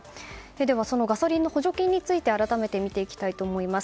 そのガソリンの補助金について改めて見ていきたいと思います。